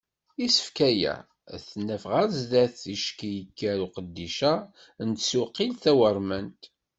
Isefka-a, ad ten-naf ɣer sdat ticki yekker uqeddic-a n tsuqilt tawurmant.